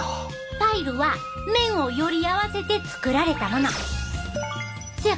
パイルは綿をより合わせて作られたもの。